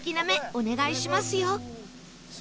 お願いします！